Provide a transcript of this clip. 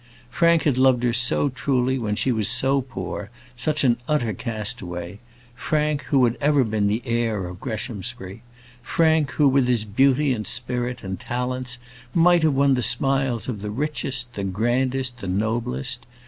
Frank had loved her so truly when she was so poor, such an utter castaway; Frank, who had ever been the heir of Greshamsbury! Frank, who with his beauty, and spirit, and his talents might have won the smiles of the richest, the grandest, the noblest!